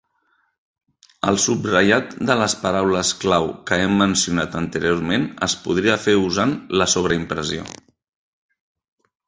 El subratllat de les paraules clau que hem mencionat anteriorment es podria fer usant la sobreimpressió.